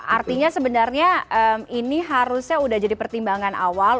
artinya sebenarnya ini harusnya sudah jadi pertimbangan awal